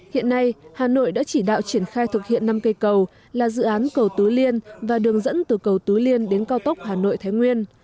hiện nay hà nội đã chỉ đạo triển khai thực hiện năm cây cầu là dự án cầu tứ liên và đường dẫn từ cầu tứ liên đến cao tốc hà nội thái nguyên